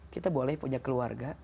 kita boleh punya keluarga